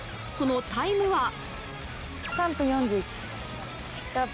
そのタイムは。